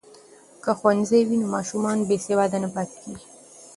که ښوونځی وي نو ماشومان بې سواده نه پاتیږي.